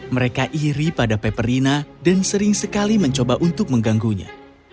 mereka iri pada peperina dan sering sekali mencoba untuk mengganggunya